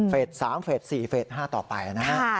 เฟส๓เฟส๔เฟส๕ต่อไปนะครับ